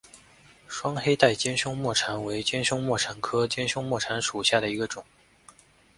双黑带尖胸沫蝉为尖胸沫蝉科尖胸沫蝉属下的一个种。